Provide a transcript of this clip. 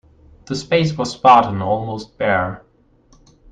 The space was spartan, almost bare.